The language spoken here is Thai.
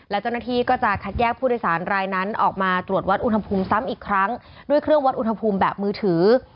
และเจ้าหน้าที่ก็จะคัดแยกผู้โดยสารรายนั้นออกมาตรวจวัดอุณหภูมิซ้ำอีกครั้งด้วยเครื่องวัดอุณหภูมิแบบมือถือ